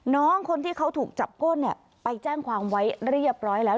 น้องคนที่เขาถูกจับก้นไปแจ้งความไว้เรียบร้อยแล้ว